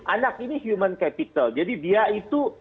anak ini human capital jadi dia itu